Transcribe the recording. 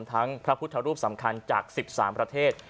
พระพุทธรูปสำคัญจาก๑๓ประเทศ